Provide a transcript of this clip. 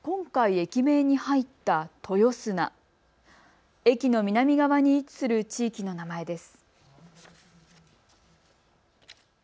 駅の南側に位置する地域の名前です。